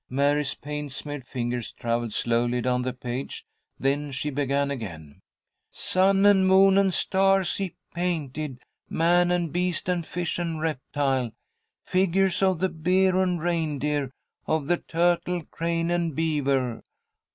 Mary's paint smeared fingers travelled slowly down the page, then she began again: "Sun and moon and stars he painted, Man and beast and fish and reptile. "Figures of the Bear and Reindeer, Of the Turtle, Crane, and Beaver.